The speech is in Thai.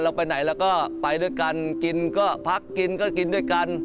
ไปไหนเราก็ไปด้วยกันกินก็พักกินก็กินด้วยกัน